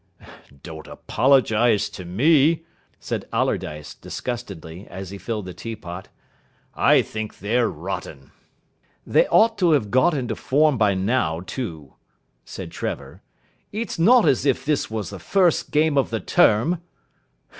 "Don't apologise to me," said Allardyce disgustedly, as he filled the teapot, "I think they're rotten." "They ought to have got into form by now, too," said Trevor. "It's not as if this was the first game of the term."